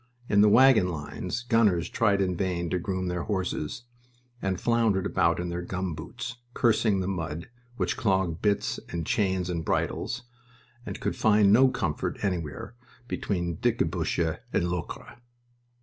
In the wagon lines gunners tried in vain to groom their horses, and floundered about in their gum boots, cursing the mud which clogged bits and chains and bridles, and could find no comfort anywhere between Dickebusch and Locre.